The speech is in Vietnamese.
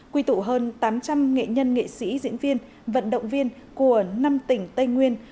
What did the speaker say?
quy tụ hơn tám trăm linh nghệ nhân nghệ sĩ diễn viên vận động viên của năm tỉnh tây nguyên